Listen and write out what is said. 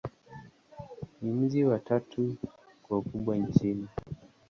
Ni mji wa tatu kwa ukubwa nchini.